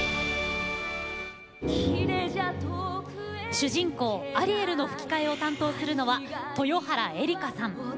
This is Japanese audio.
主人公アリエルの吹き替えを担当するのは豊原江理佳さん。